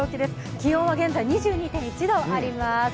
気温は現在２２．１度あります。